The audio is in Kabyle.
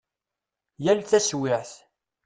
Yal taswiɛt.